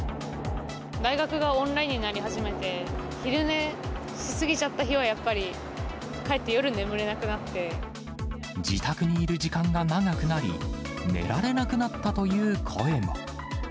大学がオンラインになり始めて、昼寝し過ぎちゃった日は、やっぱり、自宅にいる時間が長くなり、寝られなくなったという声も。